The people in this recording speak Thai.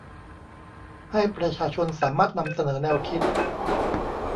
ให้ประชาชนสามารถนำเสนอแนวคิด